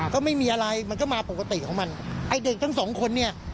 ก็ไม่มีอะไรมันก็มาปกติของมันไอ้เด็กทั้งสองคนเนี่ย